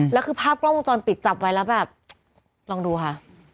แล้วคือภาพกล้องวงจรปิดจับไว้แล้วแบบลองดูค่ะ